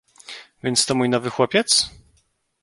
"„Więc to mój nowy chłopiec?"